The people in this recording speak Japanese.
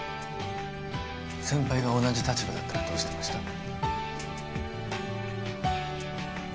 先輩が同じ立場だったらどうしてました？